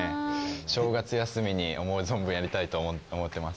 正月休みに思う存分やりたいと思ってます。